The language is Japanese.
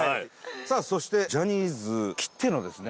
さあ、そしてジャニーズきってのですね